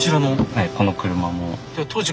はいこの車も。